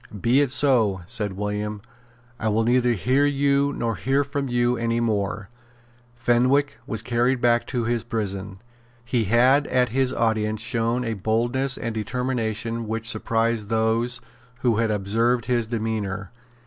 "Be it so," said William. "I will neither hear you nor hear from you any more." Fenwick was carried back to his prison. He had at this audience shown a boldness and determination which surprised those who had observed his demeanour.